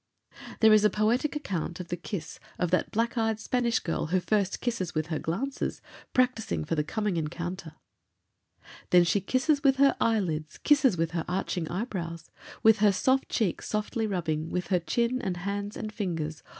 There is a poetic account of the kiss of that black eyed Spanish girl who first kisses with her glances, practicing for the coming encounter: Then she kisses with her eyelids, Kisses with her arching eye brows, With her soft cheek softly rubbing, With her chin, and hands, and fingers.